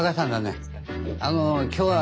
今日は。